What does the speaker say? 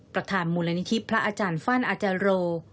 ประธานมูลนิธิพระอาจารย์ฟั่นอาจาโร